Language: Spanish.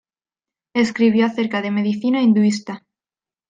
Escribió acerca de medicina hinduista.